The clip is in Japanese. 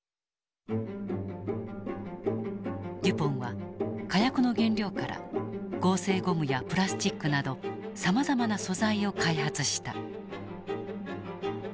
デュポンは火薬の原料から合成ゴムやプラスチックなどさまざまな素材を開発した。